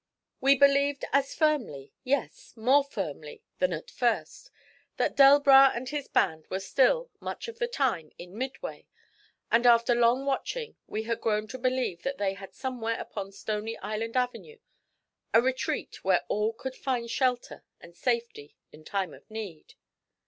We believed as firmly, yes, more firmly than at first, that Delbras and his band were still, much of the time, in Midway; and after long watching we had grown to believe that they had somewhere upon Stony Island Avenue a retreat where all could find shelter and safety in time of need.